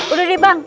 udah deh bang